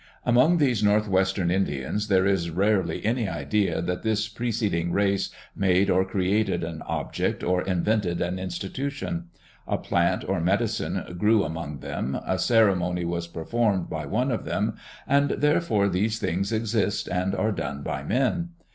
Among these north western Indians there is rarely any idea that this preceding race made or created an object or invented an institution. A plant or medicine grew among them, a ceremony was performed by one of them, and therefore these things exist and are done by men.